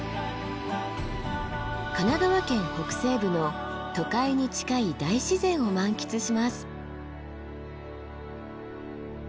神奈川県北西部の都会に近い大自然を満喫します。